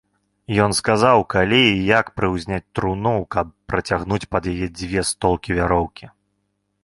Ён сказаў, калі і як прыўзняць труну, каб працягнуць пад яе дзве столкі вяроўкі.